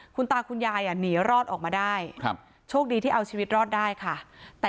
คุณตาคุณยายหนีรอดออกมาได้ครับโชคดีที่เอาชีวิตรอดได้ค่ะ